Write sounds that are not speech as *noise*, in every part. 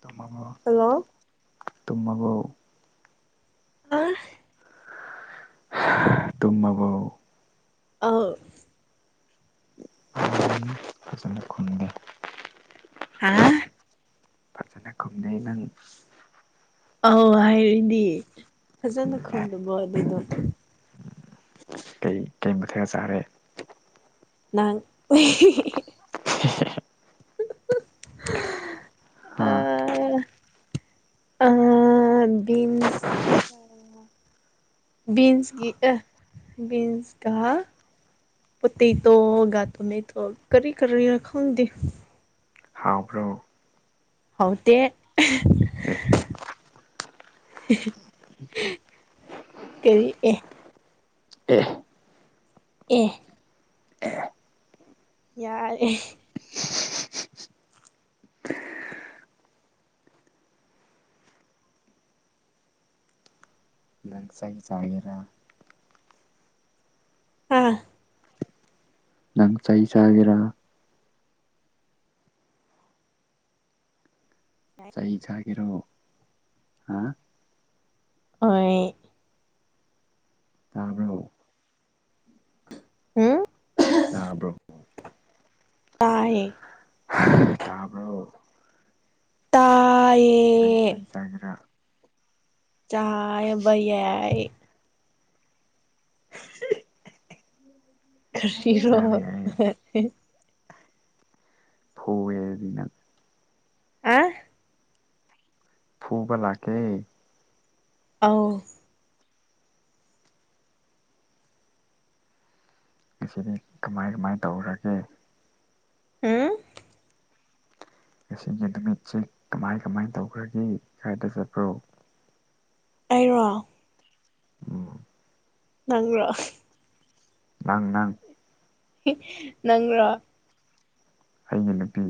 ꯇꯃ *unintelligible* ꯍꯜꯂꯣ ꯇꯨꯝꯃꯕ‌ꯣ ꯑ *unintelligible* ꯇꯨꯝꯃꯕ‌ꯣ ꯑꯧ *unintelligible* ꯐꯖꯅ ꯈꯨꯝꯗꯦ ꯍꯥ ꯐꯖꯅ ꯈꯨꯝꯗꯩ ꯅꯪ ꯑꯧ ꯍꯥꯏꯔꯗꯤ ꯐꯖꯅ ꯈꯨꯝꯗꯕꯣ ꯑꯗꯨꯗ‌ꯣ ꯀꯩ ꯀꯩ ꯃꯊꯜ ꯆꯥꯔꯦ ꯅꯪ *unintelligible* *unintelligible* ꯍꯥꯥ ꯑꯥ ꯑꯥ ꯕꯤꯟꯁ ꯕꯤꯟꯁꯀꯤ ꯑꯥ ꯕꯤꯟꯁꯀ ꯄ‌ꯣꯇ‌ꯦꯇ‌ꯣꯒ ꯇ‌ꯣꯃ‌ꯦꯇ‌ꯣꯒ ꯀꯔꯤ ꯀꯔꯤꯔꯥ ꯈꯪꯗ‌ꯦ ꯍꯥꯎꯕ‍꯭ꯔꯣ ꯍꯥꯎꯇ‌ꯦ ꯑꯦ *unintelligible* ꯀꯔꯤ ꯑꯦ ꯑꯦ ꯑꯦ ꯌꯥꯔꯦ ꯅꯪ ꯆꯩ ꯆꯥꯒꯦꯔꯥ ꯑ ꯅꯪ ꯆꯩ ꯆꯒꯦꯔꯥ ꯆꯩ ꯆꯥꯒꯦꯔꯣ ꯍꯥ ꯑꯣꯏ ꯇꯥꯕ꯭ꯔꯣ ꯎꯝ ꯇꯥꯕ꯭ꯔꯣ ꯇꯥꯏ ꯇꯥꯕꯔꫭ ꯇꯥꯌꯦ ꯅꯪ ꯆꯩ ꯆꯥꯒꯦꯔꯥ ꯆꯥꯕ ꯌꯥꯏ ꯀꯔꯤꯔꯣ ꯆꯥꯕ ꯌꯥꯏꯌꯦ ꯐꯨꯒ‌ꯦ ꯑꯗꯨꯗꯤ ꯅꯪ ꯍꯥ ꯐꯨꯕ ꯂꯥꯛꯀꯦ ꯑꯥꯎ ꯉꯁꯤꯗꯤ ꯀꯃꯥꯏ ꯀꯃꯥꯏ ꯇꯧꯔꯒꯦ ꯍꯨꯝ ꯉꯁꯤꯒꯤ ꯅꯨꯃꯤꯠꯁꯤ ꯀꯃꯥꯏ ꯀꯃꯥꯏ ꯇꯧꯈ꯭ꯔꯒꯦ ꯀꯥꯏꯗ ꯆꯠꯄ꯭ꯔꯣ ꯑꯩꯔꯣ ꯎꯝ ꯅꯪꯔꯣ ꯅꯪ ꯅꯪ ꯍ‌ꯤ ꯅꯪꯔꯣ ꯑꯩꯅ ꯅꯨꯄꯤ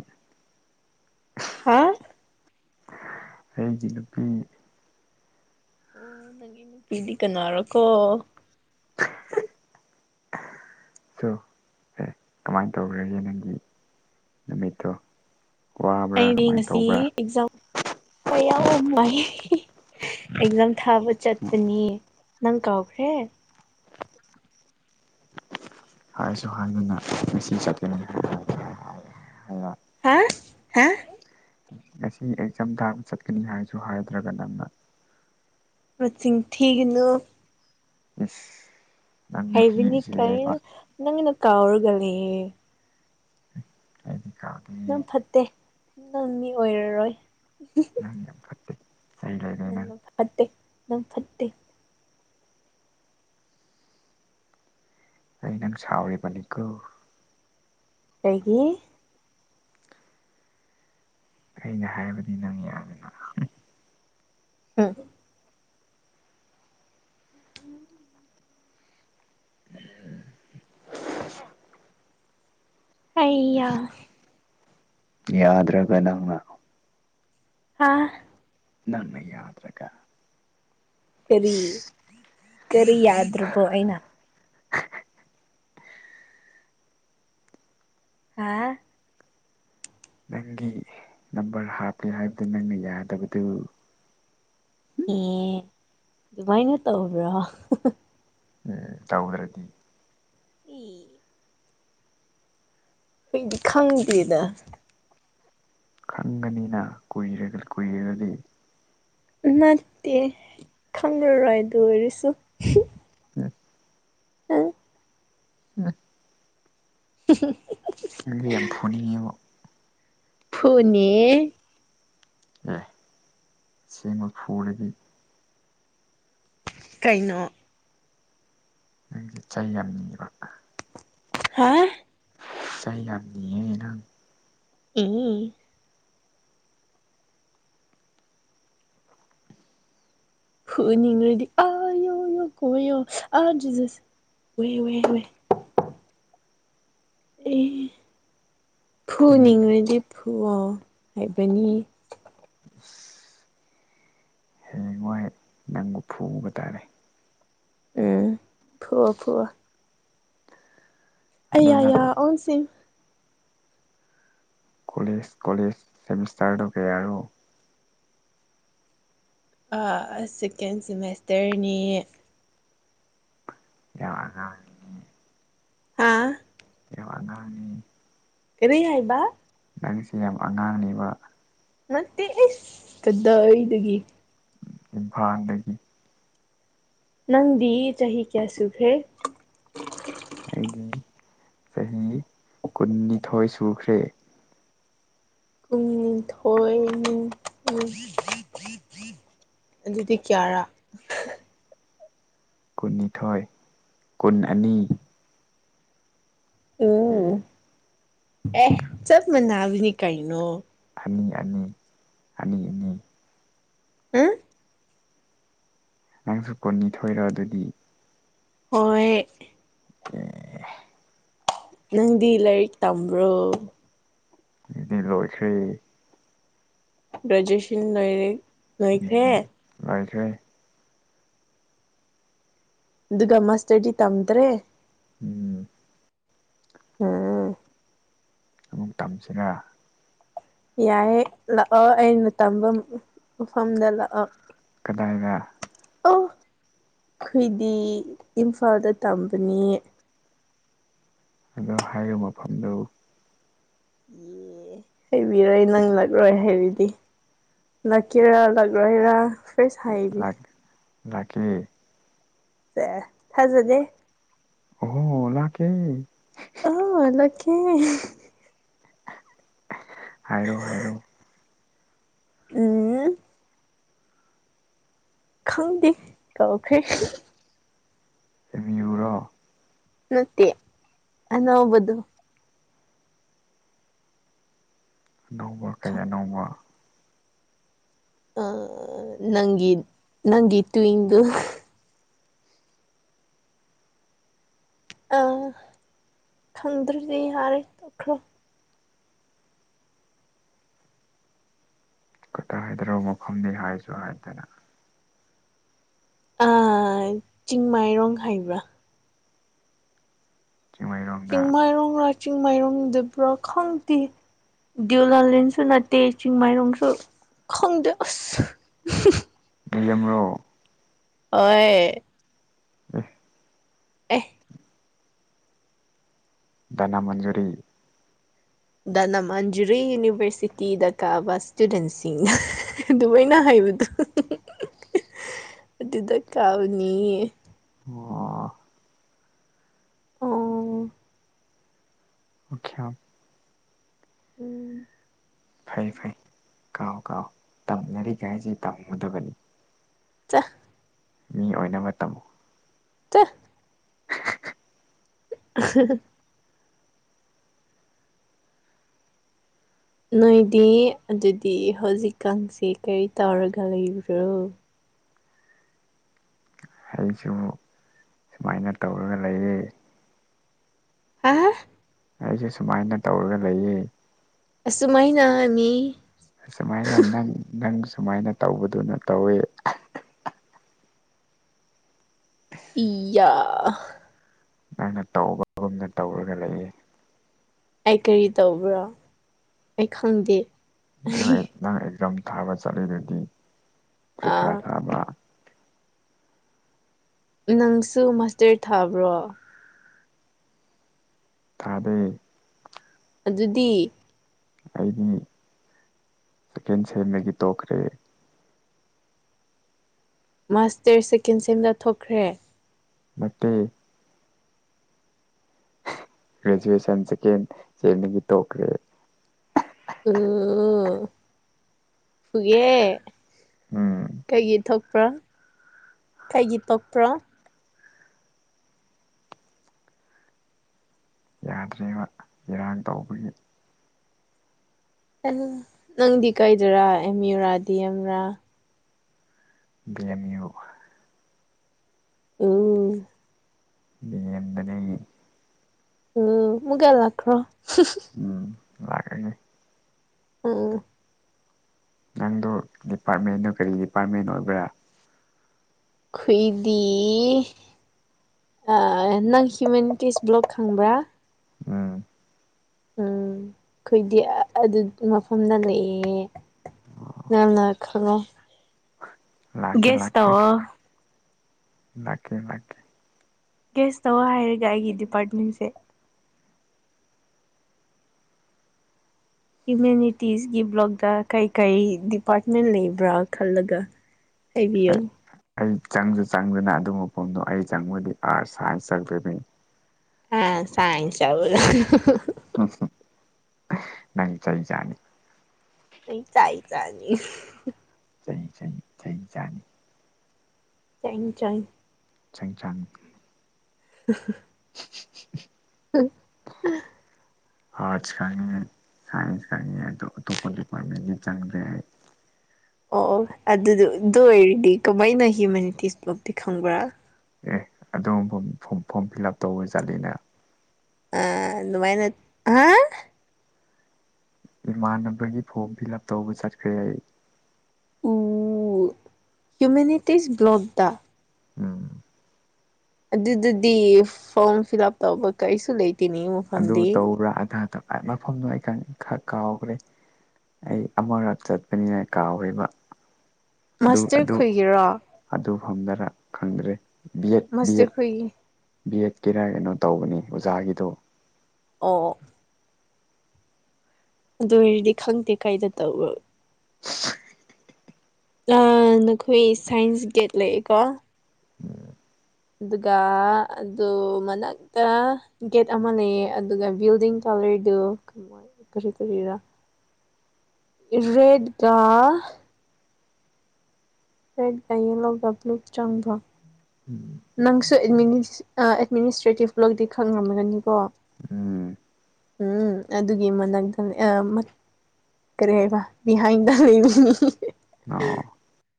ꯍꯥ ꯑꯩꯒꯤ ꯅꯨꯄꯤ ꯑꯣ ꯅꯪꯒꯤ ꯅꯨꯄꯤꯗꯤ ꯀꯅꯥꯔꯣꯀꯣ ꯍꯤ *unintelligible* ꯁꯣ ꯑꯦ ꯀꯃꯥꯏꯅ ꯇꯧꯈ꯭ꯔꯒꯦ ꯅꯪꯒꯤ ꯅꯨꯃꯤꯠꯇꯣ ꯋꯥꯕ꯭ꯔꯥ ꯑꯩꯗꯤ ꯀꯃꯥꯏ ꯉꯁꯤ ꯇꯧꯕ꯭ꯔꯥ ꯑꯦꯛꯖꯥꯝ ꯍꯣꯏ ꯌꯥꯝ ꯋꯥꯏ ꯑꯦꯛꯖꯥꯝ ꯊꯥꯕ ꯆꯠꯄꯅꯤ ꯅꯪ ꯀꯥꯎꯈ꯭ꯔꯦ ꯍꯥꯏꯁꯨ ꯍꯥꯏꯗꯅ ꯉꯁꯤ ꯆꯠꯀꯅꯤ ꯍꯥꯏꯕ ꯍꯥ ꯍꯥ ꯉꯁꯤ ꯑꯦꯛꯖꯥꯝ ꯊꯥ ꯆꯠꯀꯅꯤ ꯍꯥꯏꯁꯨ ꯍꯥꯏꯗ꯭ꯔꯒ ꯅꯪꯅ ꯅꯆꯤꯡ ꯊꯤꯒꯅꯣ ꯏꯁ ꯅꯪꯅ‌ꯦ ꯍꯥꯏꯕꯅꯤ ꯊꯤꯔꯤꯁꯦ ꯕꯦꯝꯃ ꯀꯥꯏꯅ ꯅꯪꯅ ꯀꯥꯎꯔꯒ ꯂꯩꯌꯦ *inaudible* ꯅꯝ ꯐꯠꯇꯦ ꯅꯪ ꯃꯤ ꯑꯣꯏꯔꯔꯣꯏ ꯅꯪ ꯌꯥꯝ ꯐꯇꯦ ꯅꯪꯅ ꯐꯠꯇꯦ ꯅꯪ ꯐꯠꯇꯦ ꯑꯩ ꯅꯪ ꯁꯥꯎꯔꯤꯕꯅꯤꯀꯣ ꯀꯩꯒꯤ ꯑꯩꯅ ꯍꯥꯏꯕꯗꯤ ꯅꯪ ꯌꯥꯗꯅ ꯑꯝ *unintelligible* ꯑꯌꯥ ꯌꯥꯗ꯭ꯔꯒ ꯅꯪꯅ ꯍꯥꯥ ꯅꯪꯅ ꯌꯥꯗ꯭ꯔꯒ ꯀꯔꯤ ꯏꯁ ꯀꯔꯤ ꯌꯥꯗ꯭꯭ꯔꯕꯣ ꯑꯩꯅ ꯍꯥ ꯅꯪꯒꯤ ꯅꯝꯕꯔ ꯍꯥꯞꯀꯦ ꯍꯥꯏꯕꯗꯨ ꯅꯪꯅ ꯌꯥꯗꯕꯗꯨ ꯑꯦ ꯑꯗꯨꯃꯥꯏꯅ ꯇꯧꯕ꯭ꯔꯣ ꯇꯧꯗ꯭ꯔꯗꯤ ꯏ ꯑꯩꯗꯤ ꯈꯪꯗꯦꯗ ꯈꯪꯒꯅꯤꯅ ꯀꯨꯏꯔꯛ ꯀꯨꯏꯔꯒꯗꯤ ꯅꯠꯇꯦ ꯈꯪꯉꯔꯣꯏ ꯗꯨꯑꯣꯏꯔꯁꯨ ꯌꯦꯁ *unintelligible* ꯑ ꯑꯝ ꯍꯝ ꯅꯪꯖ‌ꯦ ꯌꯥꯝ ꯐꯨꯅꯤꯡꯉꯦꯕꯣ ꯐꯨꯅꯦ ꯑꯦ ꯁꯤꯃ ꯐꯨꯔꯗꯤ ꯀꯩꯅꯣ ꯅꯪꯁꯦ ꯆꯩ ꯌꯥꯝ ꯅꯤꯕ ꯍꯥꯥ ꯆꯩ ꯌꯥꯝꯅꯤꯌꯦꯅꯪ ꯎꯝ ꯐꯅꯤꯡꯔꯗꯤ ꯑꯌꯣ ꯌꯣ ꯀꯣꯣ ꯑꯥ ꯖꯁ ꯑꯣꯏꯦ ꯑꯣꯏꯏꯦ ꯍꯏꯦ ꯑꯦ ꯐꯨꯅꯤꯡꯉꯦ ꯐꯨꯅꯤꯡꯉꯗꯤ ꯐꯨꯋꯣ ꯍꯥꯏꯕꯅꯤ ꯑꯁ ꯍꯌꯦ ꯋꯥꯏ ꯅꯪꯕꯨ ꯐꯨꯕ ꯇꯥꯔꯦ ꯎꯝ ꯐꯣ ꯐꯣ ꯑ ꯑꯗꯣ ꯅꯪ ꯑꯣꯁꯤꯠ ꯀꯣꯂꯦꯖ ꯀꯣꯂꯦꯖ ꯁꯦꯃꯤꯁ ꯗꯔꯗꯨ ꯀꯌꯥꯔꯣ ꯑ ꯁꯦꯀꯦꯟ ꯁꯦꯃꯦꯁꯇꯔꯅꯤ ꯆꯥꯝ ꯑꯉꯥꯡ ꯍꯥꯥ ꯌꯥꯝ ꯑꯉꯥꯡꯅꯤ ꯀꯔꯤ ꯍꯥꯏꯕ ꯅꯪꯁꯦ ꯌꯥꯝ ꯑꯉꯥꯡꯅꯤꯕ ꯅꯠꯇꯦ ꯑꯁ ꯀꯗꯥꯏꯗꯒꯤ ꯏꯝꯐꯥꯜꯗꯒꯤ ꯅꯪꯗꯤ ꯆꯍꯤ ꯀꯌꯥꯁꯨꯒꯔ꯭ꯦ ꯑꯩꯒꯤ ꯆꯍꯤ ꯀꯨꯟꯅꯤꯊꯣꯏ ꯁꯨꯈ꯭ꯔꯦ ꯀꯨꯟꯅꯤꯊꯣꯏꯅꯤ ꯑꯗꯨꯗꯤ ꯀ꯭ꯔꯥ ꯀꯨꯟꯅꯤꯊꯣꯏ ꯀꯨꯟ ꯑꯅꯤ ꯎꯝ ꯑꯦꯍ ꯆꯞ ꯃꯅꯅꯥꯕꯤꯅꯤ ꯀꯥꯏꯅꯣ ꯑꯅꯤ ꯑꯅꯤ ꯑꯅꯤ ꯑꯅꯤ ꯍꯥ ꯅꯪꯁꯨ ꯀꯨꯟꯅꯤꯊꯣꯏꯔꯣ ꯑꯗꯨꯗꯤ ꯍꯣꯏ ꯑꯦ ꯅꯪꯗꯤ ꯂꯥꯏꯔꯤꯛ ꯇꯝꯕ꯭ꯔꯣ ꯏꯗꯤ ꯂꯣꯏꯁ꯭ꯦ ꯔꯖꯌꯁꯤꯜ ꯅꯣꯏꯔ ꯎꯝ ꯂꯥꯏꯈꯦ ꯑꯗꯨꯒ ꯒꯃꯁꯇꯗꯤ ꯇꯝꯗ꯭ꯔꯦ ꯎꯝ ꯎꯝ ꯑꯃ ꯇꯝꯁꯤꯅ ꯌꯥꯏ ꯂꯥꯛꯑꯣ ꯑꯩꯅ ꯇꯝꯕ ꯃꯐꯝꯗ ꯂꯥꯛꯑꯣ ꯀꯗꯥꯏꯗ ꯑꯣ ꯑꯩꯈꯣꯏꯗꯤ ꯏꯝꯐꯥꯜꯗ ꯇꯝꯕꯅꯤ ꯑꯗꯣ ꯍꯥꯏꯔꯤꯕ ꯃꯐꯝꯗꯨ ꯑꯦ ꯍꯩꯕꯤꯔꯣꯏ ꯅꯪ ꯂꯛꯂꯣꯏ ꯍꯥꯏꯔꯤꯗꯤ ꯂꯛꯀꯦꯔꯥ ꯂꯥꯀꯣꯏꯔꯥ ꯀꯩꯁꯨ ꯍꯥꯏꯗꯦ ꯅꯥꯀ ꯦ ꯊꯥꯖꯗꯦ ꯑꯣ ꯑꯣ ꯂ ꯀꯦ ꯑꯥ ꯏꯂ ꯀꯦ ꯍꯥꯏꯔꯣ ꯍꯥꯏꯔꯣ ꯎꯝ ꯈꯪꯗꯦ ꯀꯧꯈ꯭ꯔꯦ ꯌꯕ꯭ꯌꯨꯔꯣ ꯃꯠꯇꯦ ꯑꯅ ꯍꯕꯗꯨ ꯑꯅꯧꯕ ꯀꯩ ꯑꯅꯧꯕ ꯑ ꯅꯪꯤ ꯅꯪꯤꯠꯇ ꯏꯗꯨ ꯑ ꯈꯪꯗꯗꯤ ꯍꯔꯂꯣ ꯇ ꯍꯥꯏꯗ꯭ꯔꯔꯕ ꯃꯐꯝꯅꯤ ꯍꯥꯏꯁꯨ ꯍꯥꯏꯗꯅ ꯆꯤꯡꯃꯥꯏꯔꯣꯡ ꯍꯥꯏꯕ꯭ꯔꯥ ꯆꯤꯡꯃꯩꯔꯣꯡꯗ ꯆꯤꯡ ꯃꯥꯏꯔꯣꯡꯔꯥ ꯆꯤꯡ ꯃꯥꯏꯔꯣꯡꯗꯕ꯭ꯔꯥ ꯈꯪꯗꯦ ꯗꯗꯤꯌꯨꯂ ꯂꯤꯡꯁꯨ ꯅꯠꯇꯦ ꯆꯤꯡꯃꯩꯔꯁꯨ ꯈꯪꯗꯦ ꯑꯁ ꯂꯩꯔꯝꯃꯣ ꯑꯣꯏ ꯑꯥ ꯑꯦ ꯗꯅ ꯃꯟꯖꯨꯔꯤ ꯗ ꯅꯃꯟꯖꯔꯤ ꯌꯨꯅꯤꯚꯔꯁꯤꯇꯤꯗ ꯀꯥꯕ ꯏꯁꯇꯨꯗꯦꯟꯁꯤꯡꯅ ꯑꯗꯨꯃꯥꯏꯅ ꯍꯥꯏꯕꯗꯣ *unintelligible* ꯑꯗꯨꯗ ꯀꯥꯎꯅꯤ ꯑꯣ ꯑꯥ ꯑꯣ ꯎꯝ ꯐꯩ ꯐꯩ ꯀꯥꯎ ꯀꯥꯎ ꯇꯝꯅꯔꯤꯒꯥꯏꯁꯤ ꯇꯝꯒꯨꯗꯕꯅꯤ ꯆ ꯃꯤ ꯑꯣꯏꯅꯕ ꯇꯝꯃꯨ ꯆꯠ *unintelligible* *unintelligible* ꯅꯣꯏꯗꯤ ꯑꯗꯨꯗꯤ ꯍꯧꯖꯤꯛꯀꯥꯟꯁꯦ ꯀꯔꯤ ꯇꯧꯔꯒ ꯂꯩꯕ꯭ꯔꯣ ꯑꯩꯁꯨ ꯁꯨꯃꯥꯏꯅ ꯇꯧꯔꯒ ꯂꯩꯌꯦ ꯑꯥ ꯑꯩꯁꯦ ꯁꯨꯃꯥꯏꯅ ꯇꯧꯔꯒ ꯂꯩꯌꯦ ꯑꯁꯨꯨꯃꯥꯏꯅ ꯑ ꯑꯁꯨꯃꯥꯏꯅ ꯅꯪ ꯅꯪ ꯁꯨꯃꯥꯏꯅ ꯇꯧꯕꯗꯨꯅ ꯇꯧꯋꯤ ꯏꯌꯥ ꯅꯪꯅ ꯇꯧꯕꯒꯨꯝꯅ ꯇꯧꯔꯒ ꯂꯩꯌꯦ ꯑꯩ ꯀꯔꯤ ꯇꯧꯕ꯭ꯔꯣ ꯑꯩ ꯈꯪꯗꯦ ꯅꯪ ꯅꯪ ꯑꯦꯛꯖꯥꯝ ꯊꯥꯕ ꯆꯠꯂꯤꯗꯨꯗꯤ ꯄ꯭ꯔꯤꯈꯥ ꯑꯥ ꯊꯥꯕ ꯅꯪꯁꯨ ꯃꯥꯁꯇꯔ ꯊꯥꯕ꯭ꯔꯣ ꯇꯥꯗꯩ ꯑꯗꯨꯗꯤ ꯑꯩꯗꯤ ꯁꯦꯀꯦꯟ ꯁꯦꯝꯗꯒꯤ ꯇꯣꯛꯈ꯭ꯔꯦ ꯃꯥꯁꯇꯔ ꯁꯦꯀꯦꯟ ꯁꯦꯝꯗ ꯊꯣꯛꯈ꯭ꯔꯦ ꯃꯇ ꯒ꯭ꯔꯦꯖꯨꯑꯦꯁꯟ ꯁꯦꯀꯦꯟ ꯆꯦꯟꯗꯒꯤ ꯇꯣꯛꯈ꯭ꯔꯦ ꯎ ꯐꯨꯒꯦ ꯎꯝ ꯀꯩꯒꯤ ꯊꯣꯛ ꯄꯛꯄ꯭ꯔꯥ ꯈꯩꯒꯤ ꯇꯣꯀꯄꯔꯥ ꯌꯥꯗ꯭ꯔꯦꯕ ꯏꯔꯥꯡ ꯇꯧꯕꯒꯤ ꯅꯪꯗꯤ ꯀꯩꯗꯔꯥ ꯑꯦꯝ ꯌꯨꯔꯥꯗꯤ ꯑꯦꯝꯔꯥ ꯒꯦꯝ ꯌꯨ ꯎꯝ ꯌꯦꯗꯗꯒꯤ ꯎ ꯃꯨꯒꯦ ꯂꯈ꯭ꯔꯣ ꯎꯝ ꯂꯒꯒꯦ ꯎꯝ ꯅꯪꯗꯣ ꯗꯤꯄꯥꯔꯠꯃꯦꯟꯗꯨꯣ ꯀꯔꯤ ꯗꯤꯄꯥꯔꯠꯃꯦꯟ ꯑꯣꯏꯕ꯭ꯔꯥ ꯈꯏꯗꯤ ꯅꯪ ꯍꯤꯌꯨꯃꯤꯅꯤꯇꯤꯁ ꯕ꯭ꯂꯣꯣꯛ ꯈꯪꯕ꯭ꯔꯥ ꯎꯝ ꯎꯝ ꯑꯩꯈꯣꯏꯗꯤ ꯑꯗꯨ ꯃꯐꯝꯗ ꯂꯩꯑꯦ ꯅ ꯈꯉ ꯂꯥꯛꯀꯦ ꯒꯦꯁ ꯇꯋꯥꯣ ꯅꯥꯀꯦ ꯅꯥꯀꯦ ꯒ꯭ꯦꯁ ꯇꯧꯔ ꯍꯥꯏꯔꯒ ꯑꯩꯒꯤ ꯗꯤꯄꯥꯔꯠꯃꯦꯟꯁꯦ ꯍꯤꯌꯨꯃꯅꯤꯇꯤꯁꯀꯤ ꯕ꯭ꯂꯣꯛꯇ ꯀꯩ ꯀꯩ ꯗꯤꯄꯥꯔꯠꯃꯦꯟ ꯂꯩꯕ꯭ꯔꯥ ꯈꯜꯂꯒ ꯑꯩ ꯍꯥꯏꯕꯤꯌꯨ ꯑꯩ ꯆꯪꯁꯨ ꯆꯪꯗꯅ ꯑꯗꯨ ꯃꯐꯝꯗꯣ ꯑꯩ ꯆꯪꯕꯗꯤ ꯑꯥꯔꯠꯁ ꯁꯥꯏꯟꯁ ꯆꯪꯗꯣꯏꯅꯤ ꯑ ꯆꯥꯏ ꯆꯕ ꯅꯪ ꯆꯩꯖꯅꯤ ꯑꯩ ꯆꯥꯏ ꯆꯅꯤ ꯆꯍꯤ ꯆꯍꯤ ꯑꯩꯥꯅꯤ ꯆꯪ ꯆꯪ ꯆꯦꯡꯁꯥꯡꯅꯤ *inaudible* ꯎ ꯑꯥꯔꯠꯁ ꯈꯪꯉꯤ ꯁꯥꯏꯟꯁ ꯈꯪꯉꯤ ꯑꯗꯣ ꯑꯇꯣꯞꯄ ꯗꯤꯄꯥꯔꯠꯃꯦꯟꯒꯤ ꯆꯪꯗ꯭ꯔꯦ ꯑꯩ ꯑꯣ ꯑꯣ ꯑꯗꯨꯗꯨ ꯑꯗꯨ ꯑꯣꯏꯔꯗꯤ ꯀꯃꯥꯏꯅ ꯍꯤꯌꯨꯃꯅꯤꯇꯤꯁꯃꯛꯇꯤ ꯈꯪꯕ꯭ꯔꯥ ꯑꯗꯨꯒ ꯐꯣꯔꯝ ꯐꯤꯜ ꯑꯞ ꯇꯧꯕ ꯆꯠꯂꯤꯅ ꯑꯗꯨꯅꯨꯡꯃꯥꯏꯅ ꯍꯥ ꯏꯃꯥꯟ ꯅꯝꯕꯔꯒꯤ ꯐꯣꯝ ꯐꯤꯜ ꯑꯞ ꯇꯧꯕ ꯆꯠꯈ꯭ꯔꯦ ꯑꯩ ꯎ ꯍ꯭ꯌꯨꯃꯦꯟꯇꯤꯁ ꯒ꯭ꯂꯣꯠ ꯗ ꯎꯝ ꯑꯗꯨꯗꯗꯤ ꯐꯣꯔꯝ ꯐꯤꯜ ꯑꯞ ꯇꯧꯕ ꯀꯔꯤꯁꯨ ꯂꯩꯇꯦ ꯑꯗꯨ ꯇꯧꯕꯔ ꯑꯙꯗ ꯃꯐꯝꯗꯣ ꯑꯩ ꯈꯔ ꯀꯥꯎꯈ꯭ꯔꯦ ꯑꯩ ꯑꯃꯔꯞ ꯆꯠꯄꯅꯤꯅ ꯀꯥꯎꯔꯤꯕ ꯑꯗꯨ ꯃꯥꯁꯇꯔ ꯑꯗꯨ ꯈꯣꯏꯒꯤꯔꯣ ꯑꯗꯨꯐꯝꯗꯔꯥ ꯈꯪꯗ꯭ꯔꯦ B Ed B master eight ꯈꯣꯏꯒꯤ ꯕꯤ ꯑꯦꯠꯀꯤꯔ ꯀꯩꯅꯣ ꯇꯧꯕꯅꯤ ꯑꯣꯖꯥꯒꯤꯗꯣ ꯑꯣ ꯑꯗꯨ ꯑꯣꯏꯔꯗꯤ ꯈꯪꯗꯦ ꯀꯥꯏꯗ ꯇꯧꯕ ꯅꯈꯣꯏ ꯁꯥꯏꯟꯁ ꯒꯦꯠ ꯂꯩꯌꯦꯀꯣ ꯑꯣ ꯑꯗꯨꯒ ꯑꯗꯨ ꯃꯅꯥꯛꯇ ꯒꯦꯠ ꯑꯃ ꯂꯩꯌꯦ ꯑꯗꯨꯒ ꯕꯤꯜꯗꯤꯡ ꯀꯂꯔꯗꯨ ꯀꯃ ꯀꯔꯤ ꯀꯔꯤꯔ ꯔꯦꯠꯒꯥ ꯄꯦꯠ ꯑꯌꯦꯂꯣꯒ꯭ꯂꯨꯞ ꯆꯪꯕ ꯎꯝ ꯅꯪꯁꯨ ꯑꯦꯗꯃꯤꯅꯤꯁꯇ꯭ꯔꯦꯇꯤꯞ ꯂꯣꯗꯤ ꯈꯪꯉꯝꯒꯅꯤꯀꯣ ꯎꯝ ꯎꯝ ꯑꯗꯨꯒꯤ ꯃꯛꯇꯅꯤ ꯀꯦꯕ ꯕꯤꯍꯥꯏꯗ ꯂꯩ ꯑꯣ